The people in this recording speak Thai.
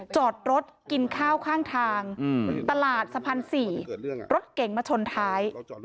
จอดรถกินข้าวข้างทางตลาดสะพาน๔รถเก๋งมาชนท้าย